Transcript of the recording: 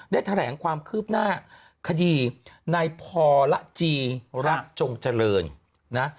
ได้แถลงความคืบหน้าคดีในพรจีรักจงเจริญนะ